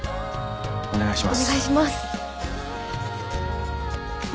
お願いします。